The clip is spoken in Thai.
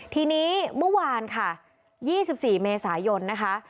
ทีนี้เมื่อวานค่ะ๒๔เมษายนนะคะ